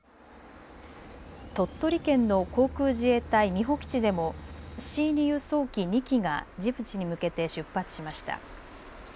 鳥取県の航空自衛隊美保基地でもＣ２輸送機２機がジブチに向けて出発しました。